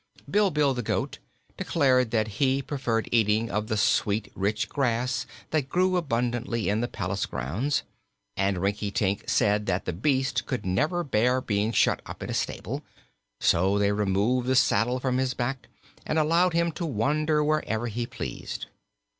Bilbil the goat declared that he preferred eating of the sweet, rich grass that grew abundantly in the palace grounds, and Rinkitink said that the beast could never bear being shut up in a stable; so they removed the saddle from his back and allowed him to wander wherever he pleased.